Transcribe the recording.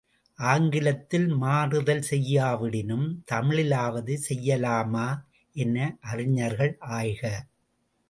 ஆங்கிலத்தில் மாறுதல் செய்யாவிடினும், தமிழிலாவது செய்யலாமா என அறிஞர்கள் ஆய்க.